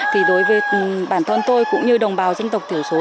thì đối với bản thân tôi cũng như đồng bào dân tộc thiểu số